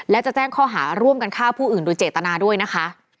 และจะแจ้งข้อหาร่วมกันฆ่าผู้อื่นโดยเจตนาด้วยนะคะ